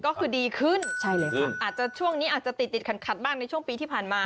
ก็คือดีขึ้นอาจจะช่วงนี้อาจจะติดขัดบ้างในช่วงปีที่ผ่านมา